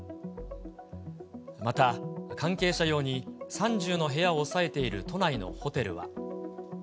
また、関係者用に３０の部屋を抑えている都内のホテルは。